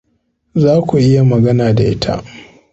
Za ku iya magana da ita.